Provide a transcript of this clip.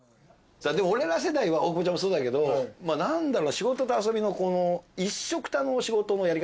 俺ら世代は大久保ちゃんもそうだけどまあ何だろうな仕事と遊びのこの一緒くたの仕事のやり方っていうのかな